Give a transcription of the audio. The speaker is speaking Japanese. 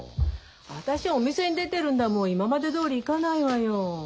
私お店に出てるんだもん今までどおりいかないわよ。